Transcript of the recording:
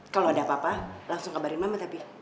kalau ada apa apa langsung kabarin mama tapi